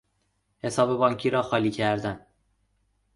حساب بانکی را خالی کردن